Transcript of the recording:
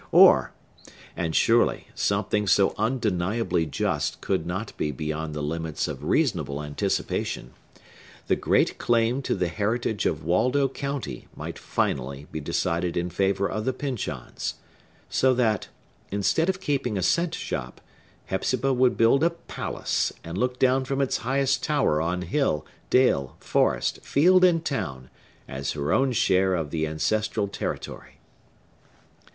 Or,—and, surely, anything so undeniably just could not be beyond the limits of reasonable anticipation,—the great claim to the heritage of Waldo County might finally be decided in favor of the Pyncheons; so that, instead of keeping a cent shop, Hepzibah would build a palace, and look down from its highest tower on hill, dale, forest, field, and town, as her own share of the ancestral territory.